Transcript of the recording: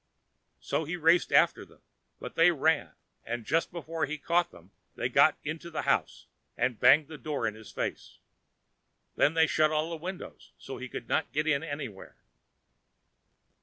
So he raced after them, but they ran, and just before he caught them they got into the house, and banged the door in his face. Then they shut all the windows, so he could not get in anywhere.